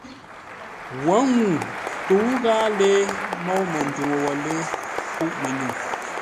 Wǒ ŋuu tə́u ghâa lée môu Manduŋ wə̂ lée pûʼ mənyuŋ.